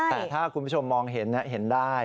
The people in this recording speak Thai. แต่ถ้าคุณผู้ชมมองเห็นเห็นได้